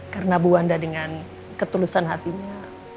karena bu wanda dengan ketulusan hatinya